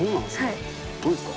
どうですか？